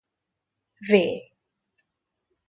V